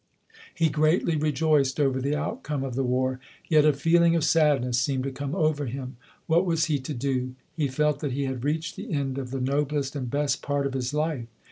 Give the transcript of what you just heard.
He greatly rejoiced over the outcome of the war, yet a feeling of sadness seemed to come over him. What was he to do? He felt that he had reached the end of the noblest and best part of his life.